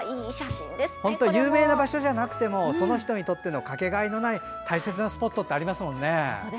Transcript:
有名な場所じゃなくてもその人にとってのかけがえのない大切なスポットってありますね。